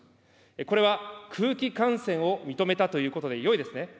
これは空気感染を認めたということでよいですね。